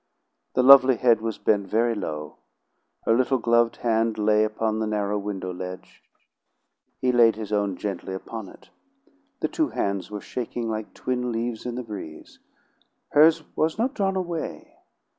The lovely head was bent very low. Her little gloved hand lay upon the narrow window ledge. He laid his own gently upon it. The two hands were shaking like twin leaves in the breeze. Hers was not drawn away.